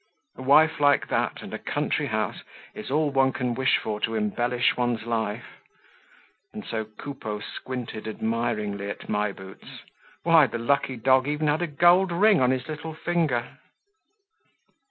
A wife like that and a country house is all one can wish for to embellish one's life. And so Coupeau squinted admiringly at My Boots. Why, the lucky dog even had a gold ring on his little finger!